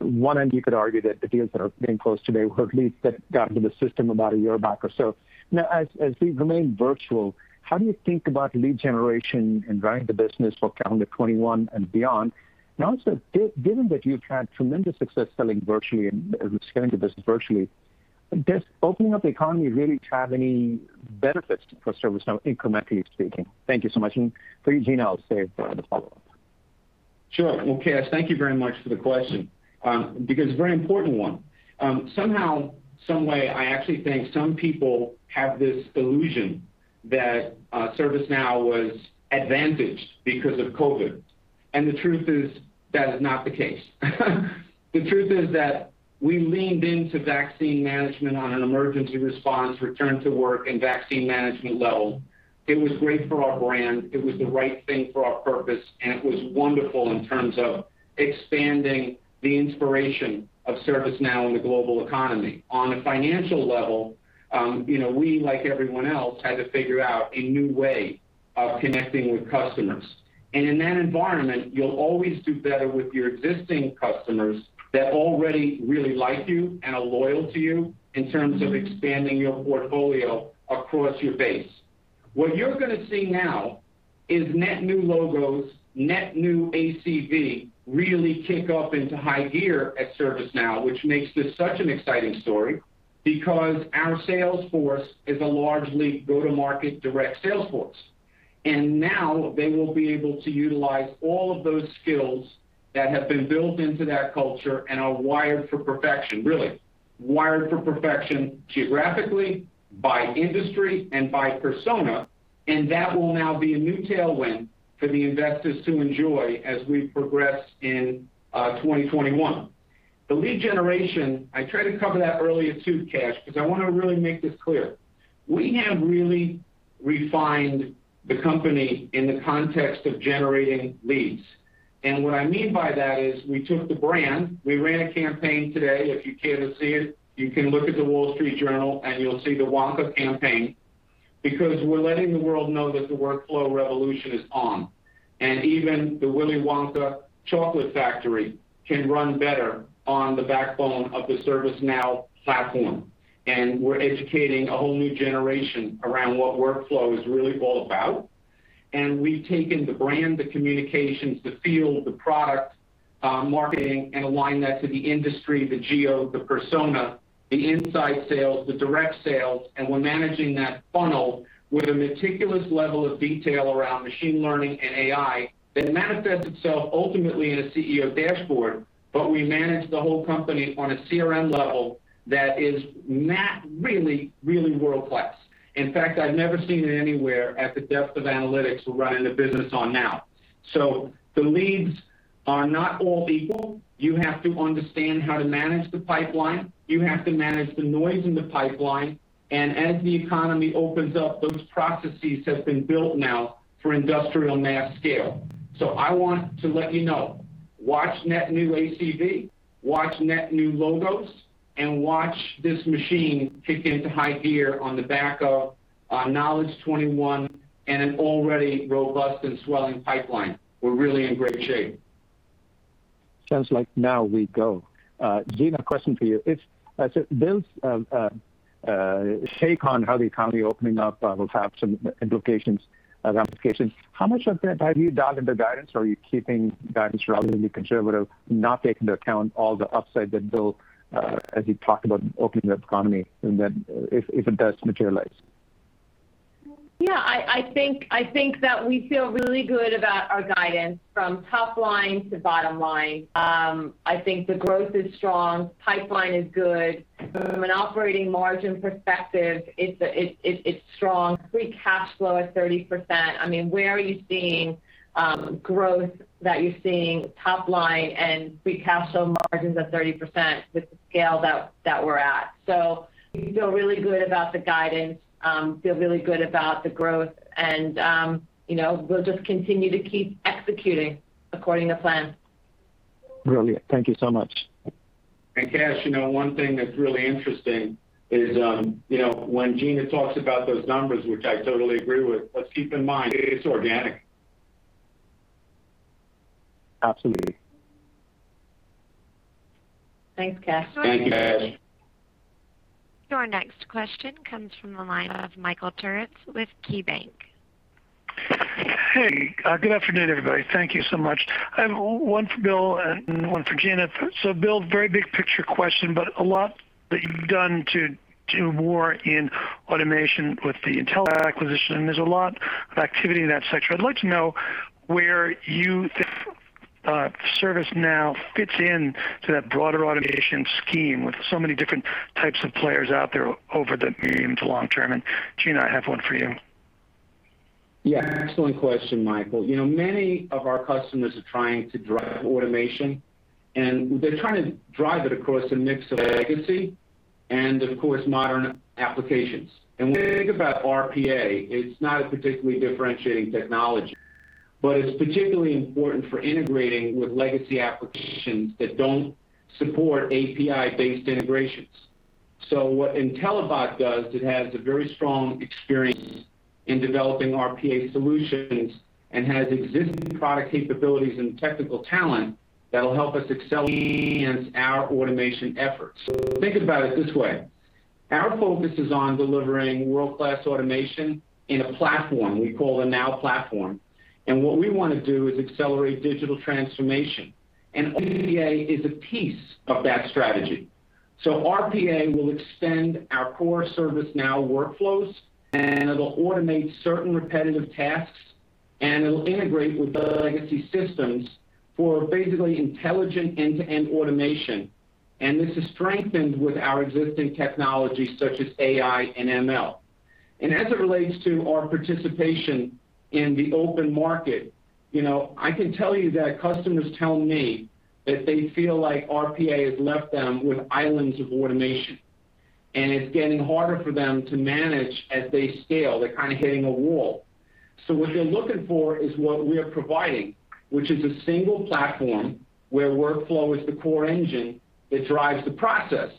one end, you could argue that the deals that are being closed today were leads that got into the system about a year back or so. Now, as we remain virtual, how do you think about lead generation and running the business for calendar 2021 and beyond? Also, given that you've had tremendous success selling virtually and scaling the business virtually, does opening up the economy really have any benefits for ServiceNow, incrementally speaking? Thank you so much. For you, Gina, I'll save for the follow-up. Sure. Well, Kash Rangan, thank you very much for the question, because it's a very important one. Somehow, some way, I actually think some people have this illusion that ServiceNow was advantaged because of COVID. The truth is, that is not the case. The truth is that we leaned into vaccine management on an emergency response, return to work, and vaccine management level. It was great for our brand. It was the right thing for our purpose, and it was wonderful in terms of expanding the inspiration of ServiceNow in the global economy. On a financial level, we, like everyone else, had to figure out a new way of connecting with customers. In that environment, you'll always do better with your existing customers that already really like you and are loyal to you in terms of expanding your portfolio across your base. What you're going to see now is net new logos, net new ACV, really kick up into high gear at ServiceNow, which makes this such an exciting story because our sales force is a largely go-to-market direct sales force. Now they will be able to utilize all of those skills that have been built into that culture and are wired for perfection, really. Wired for perfection geographically, by industry, and by persona, that will now be a new tailwind for the investors to enjoy as we progress in 2021. The lead generation, I tried to cover that earlier, too, Kash, because I want to really make this clear. We have really refined the company in the context of generating leads. What I mean by that is we took the brand, we ran a campaign today. If you care to see it, you can look at the Wall Street Journal, you'll see the Wonka campaign because we're letting the world know that the workflow revolution is on. Even the Willy Wonka chocolate factory can run better on the backbone of the ServiceNow platform. We're educating a whole new generation around what workflow is really all about. We've taken the brand, the communications, the feel, the product, marketing, and aligned that to the industry, the geo, the persona, the inside sales, the direct sales, and we're managing that funnel with a meticulous level of detail around machine learning and AI that manifests itself ultimately in a CEO dashboard. We manage the whole company on a CRM level that is really, really world-class. In fact, I've never seen it anywhere at the depth of analytics we're running the business on now. The leads are not all equal. You have to understand how to manage the pipeline. You have to manage the noise in the pipeline. As the economy opens up, those processes have been built now for industrial mass scale. I want to let you know, watch net new ACV, watch net new logos, and watch this machine kick into high gear on the back of Knowledge21 and an already robust and swelling pipeline. We're really in great shape. Sounds like now we go. Gina, question for you. Bill's take on how the economy opening up will have some implications, ramifications. How much of that have you dialed into guidance? Are you keeping guidance relatively conservative, not taking into account all the upside that Bill, as he talked about opening the economy and then if it does materialize? Yeah, I think that we feel really good about our guidance from top line to bottom line. I think the growth is strong. Pipeline is good. From an operating margin perspective, it's strong. Free cash flow is 30%. Where are you seeing growth that you're seeing top line and free cash flow margins of 30% with the scale that we're at? We feel really good about the guidance, feel really good about the growth, and we'll just continue to keep executing according to plan. Brilliant. Thank you so much. Kash, one thing that's really interesting is when Gina talks about those numbers, which I totally agree with, let's keep in mind it's organic. Absolutely. Thanks, Kash. Thanks, Kash. Your next question comes from the line of Michael Turits with KeyBanc. Hey. Good afternoon, everybody. Thank you so much. I have one for Bill and one for Gina. Bill, very big picture question, but a lot that you've done to more in automation with the Intellibot acquisition, there's a lot of activity in that sector. I'd like to know where you think ServiceNow fits into that broader automation scheme with so many different types of players out there over the medium to long term. Gina, I have one for you. Yeah. Excellent question, Michael. Many of our customers are trying to drive automation, and they're trying to drive it across a mix of legacy and of course, modern applications. When you think about RPA, it's not a particularly differentiating technology, but it's particularly important for integrating with legacy applications that don't support API-based integrations. What Intellibot does, it has a very strong experience in developing RPA solutions and has existing product capabilities and technical talent that'll help us accelerate our automation efforts. Think about it this way. Our focus is on delivering world-class automation in a platform we call the Now Platform. What we want to do is accelerate digital transformation, and RPA is a piece of that strategy. RPA will extend our core ServiceNow workflows, and it'll automate certain repetitive tasks, and it'll integrate with the legacy systems for basically intelligent end-to-end automation. This is strengthened with our existing technology such as AI and ML. As it relates to our participation in the open market, I can tell you that customers tell me that they feel like RPA has left them with islands of automation, and it's getting harder for them to manage as they scale. They're kind of hitting a wall. What they're looking for is what we are providing, which is a single platform where workflow is the core engine that drives the process.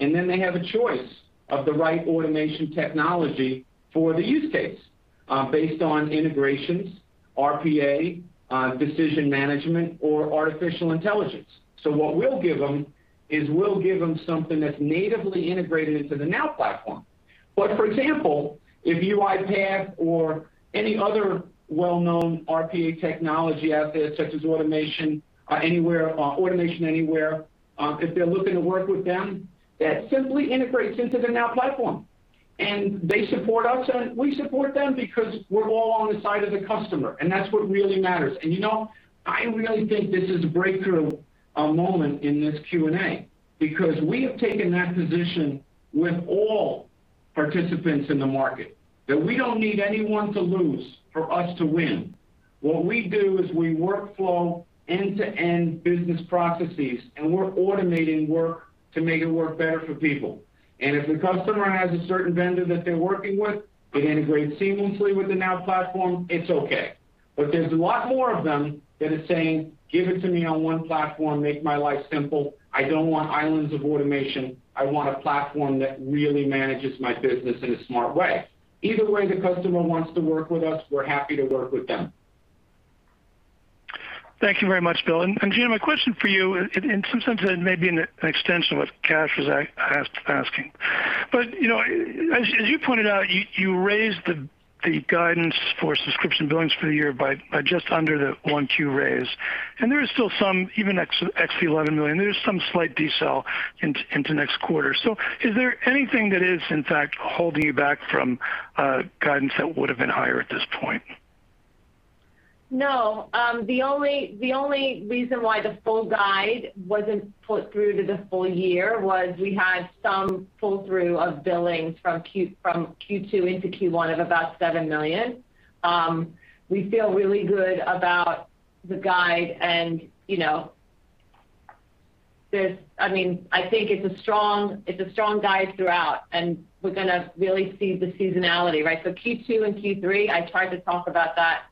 Then they have a choice of the right automation technology for the use case, based on integrations, RPA, decision management, or artificial intelligence. What we'll give them is we'll give them something that's natively integrated into the Now Platform. For example, if UiPath or any other well-known RPA technology out there, such as Automation Anywhere, if they're looking to work with them, that simply integrates into the Now Platform. They support us, and we support them because we're all on the side of the customer, and that's what really matters. I really think this is a breakthrough moment in this Q&A because we have taken that position with all participants in the market, that we don't need anyone to lose for us to win. What we do is we workflow end-to-end business processes, and we're automating work to make it work better for people. If the customer has a certain vendor that they're working with that integrates seamlessly with the Now Platform, it's okay. There's a lot more of them that are saying, "Give it to me on one platform, make my life simple. I don't want islands of automation. I want a platform that really manages my business in a smart way. Either way the customer wants to work with us, we're happy to work with them. Thank you very much, Bill. Gina, my question for you, in some sense it may be an extension of what Kash was asking. As you pointed out, you raised the guidance for subscription billings for the year by just under the 1Q raise. There is still some, even ex $11 million, there's some slight decel into next quarter. Is there anything that is in fact holding you back from guidance that would've been higher at this point? No. The only reason why the full guide wasn't put through to the full year was we had some pull-through of billings from Q2 into Q1 of about $7 million. We feel really good about the guide, and I think it's a strong guide throughout, and we're going to really see the seasonality, right? Q2 and Q3, I tried to talk about that,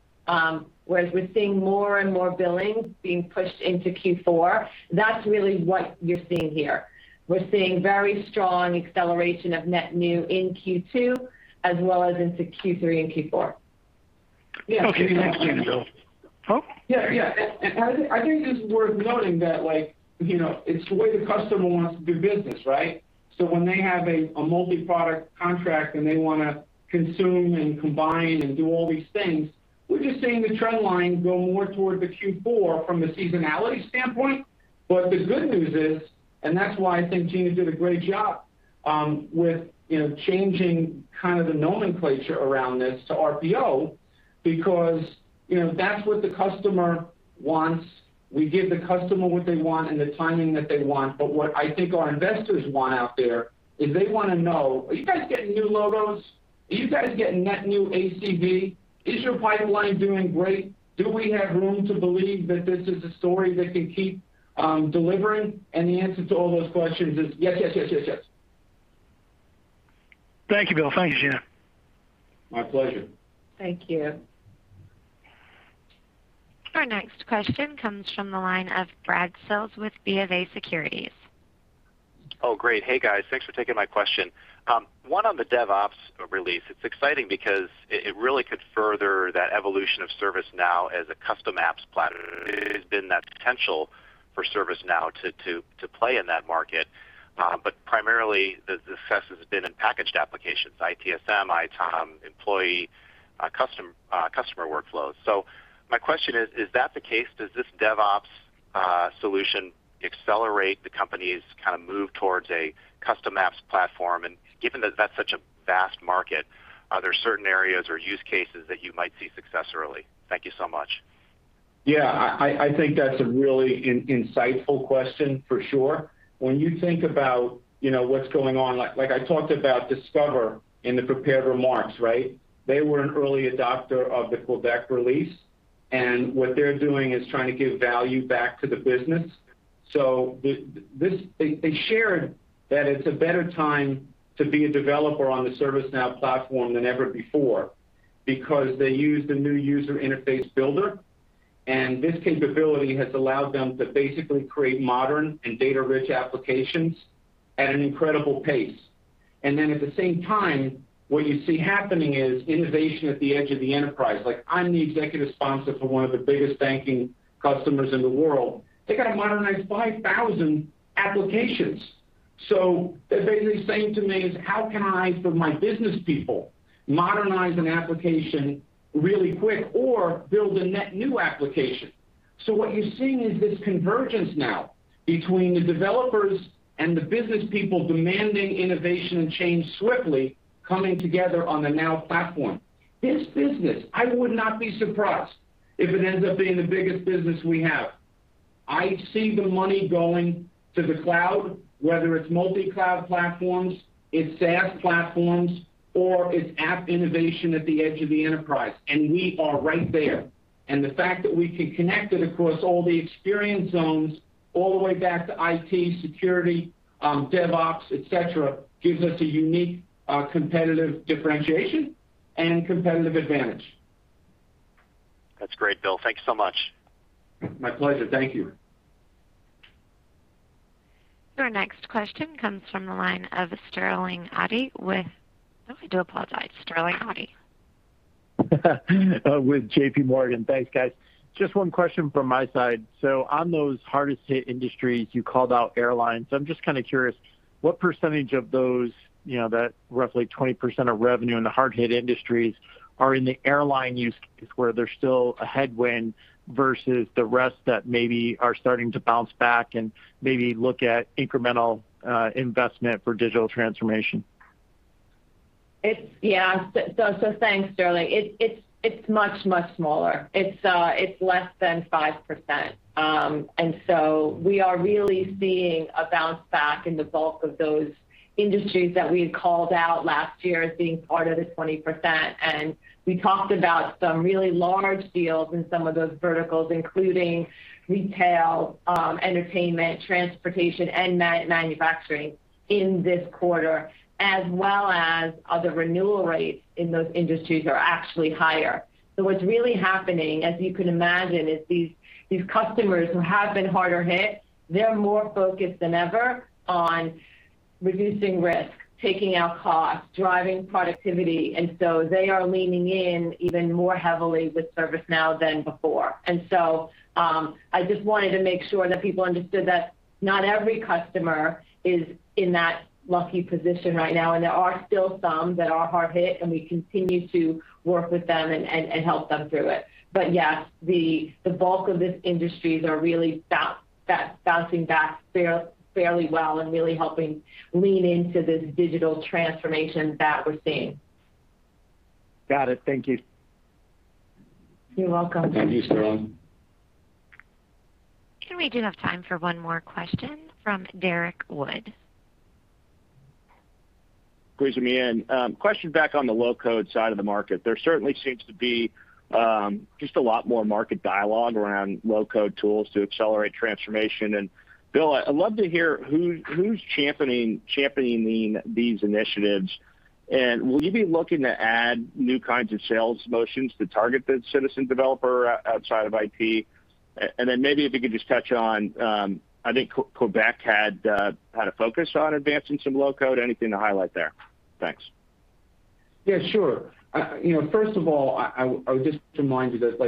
whereas we're seeing more and more billings being pushed into Q4. That's really what you're seeing here. We're seeing very strong acceleration of net new in Q2 as well as into Q3 and Q4. Okay. Thanks, Gina. Bill? Yeah. I think it's worth noting that it's the way the customer wants to do business, right? When they have a multi-product contract, and they want to consume and combine and do all these things, we're just seeing the trend line go more toward the Q4 from the seasonality standpoint. The good news is, and that's why I think Gina did a great job with changing kind of the nomenclature around this to RPO because that's what the customer wants. We give the customer what they want and the timing that they want. What I think our investors want out there is they want to know, are you guys getting new logos? Are you guys getting net new ACV? Is your pipeline doing great? Do we have room to believe that this is a story that can keep delivering? The answer to all those questions is yes. Thank you, Bill. Thank you, Gina. My pleasure. Thank you. Our next question comes from the line of Brad Sills with BofA Securities. Great. Hey, guys. Thanks for taking my question. One on the DevOps release. It's exciting because it really could further that evolution of ServiceNow as a custom apps platform. There's been that potential for ServiceNow to play in that market. Primarily, the success has been in packaged applications, ITSM, ITOM, employee, customer workflows. My question is that the case? Does this DevOps solution accelerate the company's move towards a custom apps platform? Given that that's such a vast market, are there certain areas or use cases that you might see success early? Thank you so much. I think that's a really insightful question, for sure. When you think about what's going on, like I talked about Discover in the prepared remarks, right? They were an early adopter of the Quebec release, and what they're doing is trying to give value back to the business. They shared that it's a better time to be a developer on the ServiceNow platform than ever before because they use the new user interface builder, and this capability has allowed them to basically create modern and data-rich applications at an incredible pace. At the same time, what you see happening is innovation at the edge of the enterprise. I'm the executive sponsor for one of the biggest banking customers in the world. They've got to modernize 5,000 applications. They're basically saying to me is, how can I, for my business people, modernize an application really quick or build a net new application? What you're seeing is this convergence now between the developers and the business people demanding innovation and change swiftly coming together on the Now Platform. This business, I would not be surprised if it ends up being the biggest business we have. I see the money going to the cloud, whether it's multi-cloud platforms, it's SaaS platforms, or it's app innovation at the edge of the enterprise. We are right there. The fact that we can connect it across all the experience zones all the way back to IT, security, DevOps, et cetera, gives us a unique competitive differentiation and competitive advantage. That's great, Bill. Thank you so much. My pleasure. Thank you. Your next question comes from the line of Sterling Auty with Oh, I do apologize. Sterling Auty. With J.P. Morgan. Thanks, guys. Just one question from my side. On those hardest hit industries, you called out airlines. I'm just curious, what percentage of those, that roughly 20% of revenue in the hard-hit industries are in the airline use case, where there's still a headwind versus the rest that maybe are starting to bounce back and maybe look at incremental investment for digital transformation? Thanks, Sterling. It's much, much smaller. It's less than 5%. We are really seeing a bounce back in the bulk of those industries that we had called out last year as being part of the 20%. We talked about some really large deals in some of those verticals, including retail, entertainment, transportation, and manufacturing in this quarter, as well as the renewal rates in those industries are actually higher. What's really happening, as you can imagine, is these customers who have been harder hit, they're more focused than ever on reducing risk, taking out costs, driving productivity. They are leaning in even more heavily with ServiceNow than before. I just wanted to make sure that people understood that not every customer is in that lucky position right now. There are still some that are hard hit, and we continue to work with them and help them through it. Yes, the bulk of these industries are really bouncing back fairly well and really helping lean into this digital transformation that we're seeing. Got it. Thank you. You're welcome. Thank you, Sterling. We do have time for one more question from Derrick Wood. Squeezing me in. Question back on the low-code side of the market. There certainly seems to be just a lot more market dialogue around low-code tools to accelerate transformation. Bill, I'd love to hear who's championing these initiatives, and will you be looking to add new kinds of sales motions to target the citizen developer outside of IT? Then maybe if you could just touch on, I think Quebec had a focus on advancing some low-code. Anything to highlight there? Thanks. Yeah, sure. First of all, I would just remind you that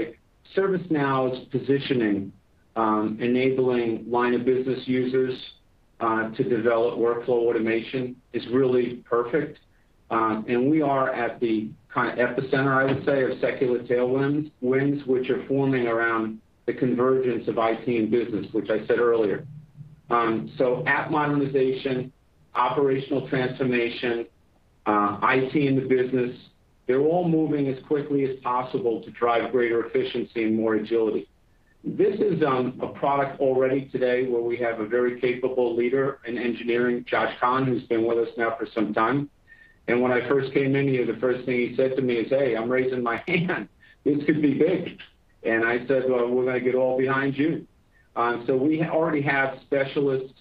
ServiceNow's positioning, enabling line of business users to develop workflow automation is really perfect. We are at the epicenter, I would say, of secular tailwinds, which are forming around the convergence of IT and business, which I said earlier. App modernization, operational transformation, IT in the business, they're all moving as quickly as possible to drive greater efficiency and more agility. This is a product already today where we have a very capable leader in engineering, Josh Kahn, who's been with us now for some time. When I first came in here, the first thing he said to me is, "Hey, I'm raising my hand. This could be big." I said, "Well, we're going to get all behind you." We already have specialist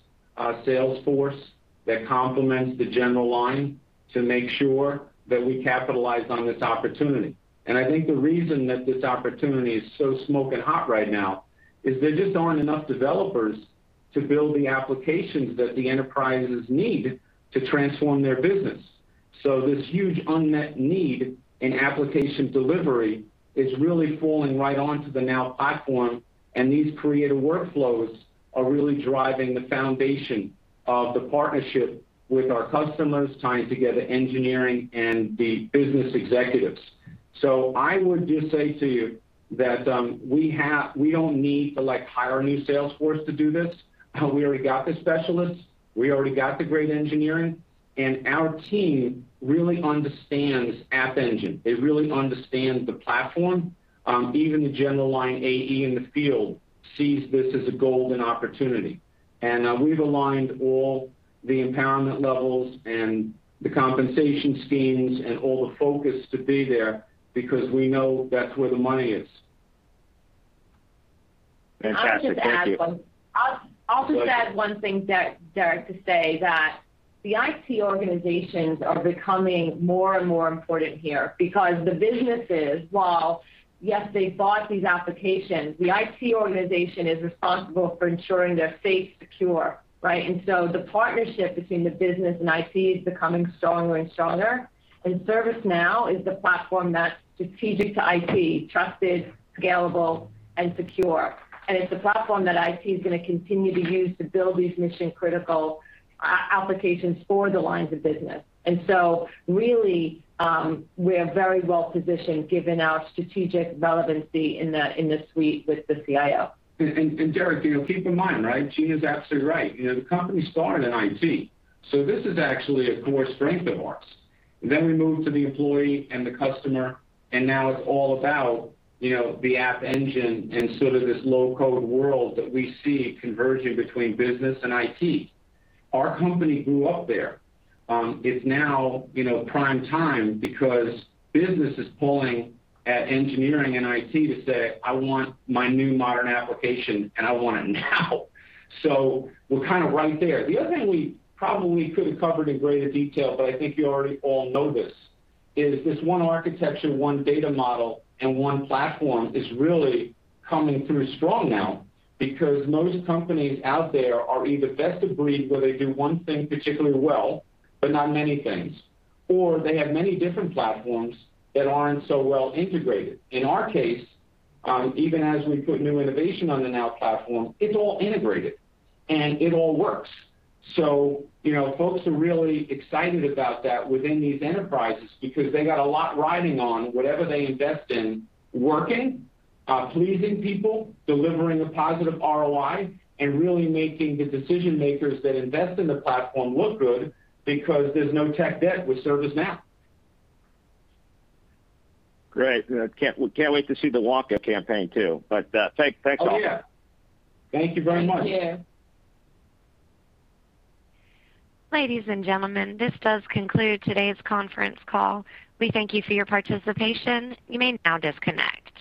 sales force that complements the general line to make sure that we capitalize on this opportunity. I think the reason that this opportunity is so smoking hot right now is there just aren't enough developers to build the applications that the enterprises need to transform their business. This huge unmet need in application delivery is really falling right onto the Now Platform, and these creative workflows are really driving the foundation of the partnership with our customers, tying together engineering and the business executives. I would just say to you that we don't need to hire a new sales force to do this. We already got the specialists, we already got the great engineering, and our team really understands App Engine. They really understand the platform. Even the general line AE in the field sees this as a golden opportunity. We've aligned all the empowerment levels and the compensation schemes and all the focus to be there because we know that's where the money is. Fantastic. Thank you. I'll just add one thing, Derrick, to say that the IT organizations are becoming more and more important here because the businesses, while, yes, they bought these applications, the IT organization is responsible for ensuring they're safe, secure, right? The partnership between the business and IT is becoming stronger and stronger. ServiceNow is the platform that's strategic to IT, trusted, scalable, and secure. It's a platform that IT is going to continue to use to build these mission-critical applications for the lines of business. Really, we're very well-positioned given our strategic relevancy in the suite with the CIO. Derrick, keep in mind, right, Gina's absolutely right. The company started in IT. This is actually a core strength of ours. We moved to the employee and the customer, now it's all about the App Engine and sort of this low-code world that we see converging between business and IT. Our company grew up there. It's now prime time because business is pulling at engineering and IT to say, "I want my new modern application, and I want it now." We're kind of right there. The other thing we probably could have covered in greater detail, but I think you already all know this, is this one architecture, one data model, and one platform is really coming through strong now because most companies out there are either best of breed, where they do one thing particularly well, but not many things, or they have many different platforms that aren't so well integrated. In our case, even as we put new innovation on the Now Platform, it's all integrated, and it all works. Folks are really excited about that within these enterprises because they got a lot riding on whatever they invest in working, pleasing people, delivering a positive ROI, and really making the decision-makers that invest in the platform look good because there's no tech debt with ServiceNow. Great. We can't wait to see the Wonka campaign, too. Thanks, all. Oh, yeah. Thank you very much. Thank you. Ladies and gentlemen, this does conclude today's conference call. We thank you for your participation. You may now disconnect.